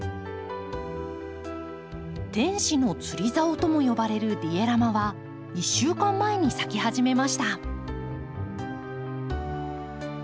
「天使の釣りざお」とも呼ばれるディエラマは１週間前に咲き始めました。